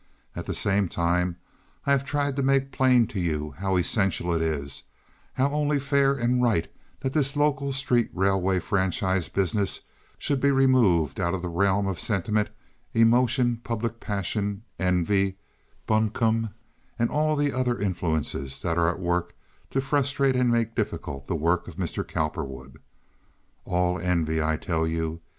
At the same time I have tried to make plain to you how essential it is, how only fair and right, that this local street railway franchise business should be removed out of the realm of sentiment, emotion, public passion, envy, buncombe, and all the other influences that are at work to frustrate and make difficult the work of Mr. Cowperwood. All envy, I tell you.